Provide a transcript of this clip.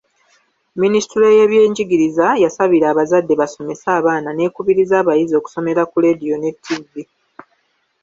Minisitule y'ebyenjigiriza yasabira abazadde basomesa abaana n'ekubiriza abayizi okusomera ku leediyo ne ttivvi.